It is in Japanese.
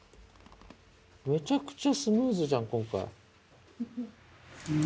めちゃくちゃスムーズじゃん今回。